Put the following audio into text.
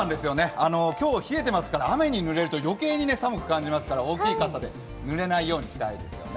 今日冷えていますから雨にぬれるとよけいに寒く感じますから、大きい傘でぬれないようにしたいですね。